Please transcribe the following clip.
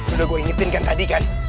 udah gue ingetin kan tadi kan